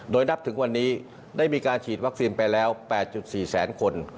โดยนับถึงวันนี้ได้มีการฉีดวัคซีนไปแล้ว๘๔แสนคน